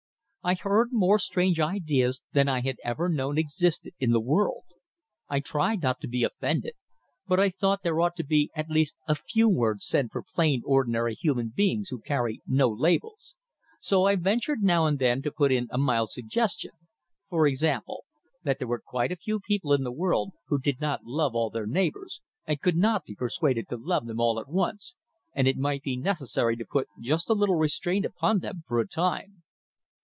I heard more strange ideas than I had ever known existed in the world. I tried not to be offended; but I thought there ought to be at least a few words said for plain ordinary human beings who carry no labels, so I ventured now and then to put in a mild suggestion for example, that there were quite a few people in the world who did not love all their neighbors, and could not be persuaded to love them all at once, and it might be necessary to put just a little restraint upon them for a time.